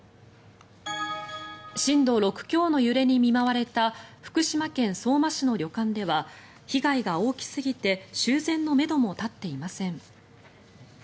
震度６強の揺れに見舞われた福島県相馬市の旅館では被害が大きすぎて修繕のめども立っていません。